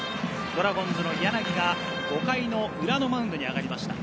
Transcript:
ドラゴンズの柳が５回の裏のマウンドに上がりました。